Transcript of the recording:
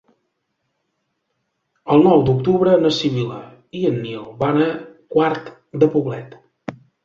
El nou d'octubre na Sibil·la i en Nil van a Quart de Poblet.